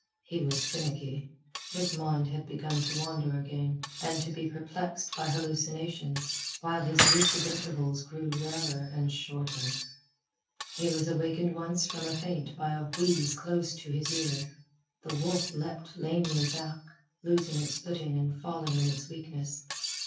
He was finicky. His mind had begun to wander again, and to be perplexed by hallucinations, while his lucid intervals grew rarer and shorter. He was awakened once from a faint by a wheeze close in his ear. The wolf leaped lamely back, losing its footing and falling in its weakness.